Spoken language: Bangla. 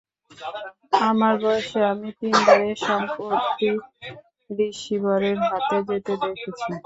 আমার বয়সে আমি তিনবার এ সম্পত্তি রিসীভরের হাতে যেতে দেখেছি।